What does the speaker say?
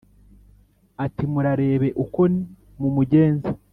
ati: " murarebe uko mumugenza